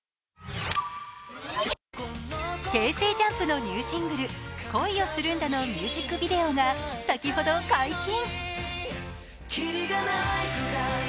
ＪＵＭＰのニューシングル「恋をするんだ」のミュージックビデオが先ほど解禁。